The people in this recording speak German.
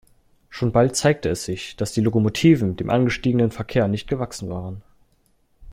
Schon bald zeigte es sich, dass die Lokomotiven dem angestiegenen Verkehr nicht gewachsen waren.